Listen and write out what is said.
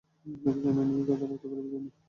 কিন্তু জানি না এই কথা রাখতে পারব কি না।